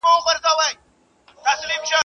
هوښياره مرغۍ په دوو لومو کي بندېږي.